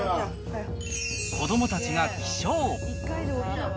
子どもたちが起床。